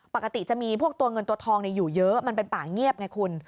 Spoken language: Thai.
ปกติจะมีพวกตัวเงินตัวทองอยู่เยอะมันเป็นป่าเงียบไงคุณ